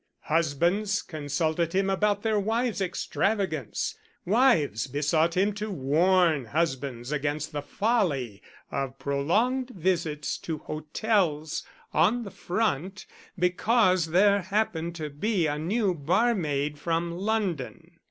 Husbands consulted him about their wives' extravagance; wives besought him to warn husbands against the folly of prolonged visits to hotels on the front because there happened to be a new barmaid from London.